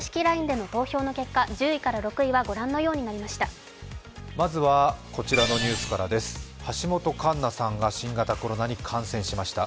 ＬＩＮＥでの投票の結果、１０位から６位は御覧のようになりました。